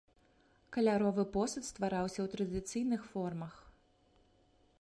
Каляровы посуд ствараўся ў традыцыйных формах.